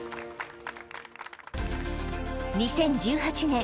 ２０１８年